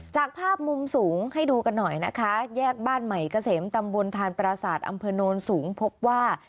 จากภาพมุมสูงให้ดูกันหน่อยนะคะแยกบ้านใหม่เกษมตำบลทานปราศาสตร์อำเภอโนนสูงพบว่า